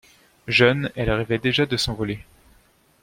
Jeune, elle rêvait déjà de s'envoler.